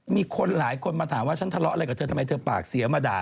มีคนหลายคนมาถามว่าฉันทะเลาะอะไรกับเธอทำไมเธอปากเสียมาด่า